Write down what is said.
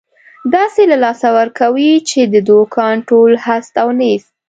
داسې له لاسه ورکوې، چې د دوکان ټول هست او نیست.